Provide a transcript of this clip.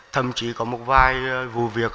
thậm chí có một vài vụ việc